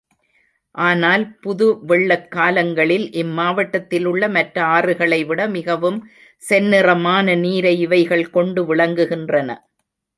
ஆனால் புது வெள்ளக் காலங்களில், இம் மாவட்டத்திலுள்ள மற்ற ஆறுகளைவிட மிகவும் செந்நிறமான நீரை, இவைகள் கொண்டு விளங்குகின்றன.